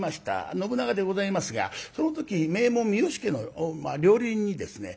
信長でございますがその時名門三好家の料理人にですね